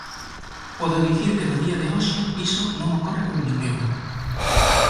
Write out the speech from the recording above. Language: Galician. Podo dicir que no día de hoxe iso non ocorre con ninguén.